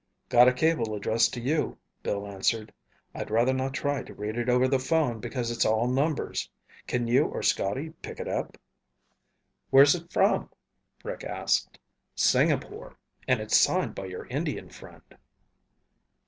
"Got a cable addressed to you," Bill answered. "I'd rather not try to read it over the phone because it's all numbers. Can you or Scotty pick it up?" "Where's it from?" Rick asked. "Singapore. And it's signed by your Indian friend."